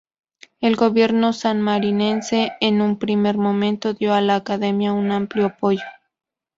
El gobierno Sanmarinense en un primer momento dio a la academia un amplio apoyo.